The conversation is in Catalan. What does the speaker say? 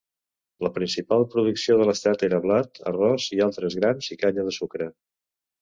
La principal producció de l'estat era blat, arròs, i altres grans i canya de sucre.